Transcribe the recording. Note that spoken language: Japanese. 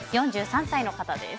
４３歳の方です。